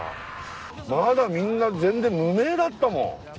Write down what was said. まだみんな全然無名だったもん。